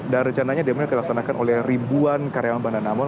dan rencananya demo ini akan dilaksanakan oleh ribuan karyawan bank danamon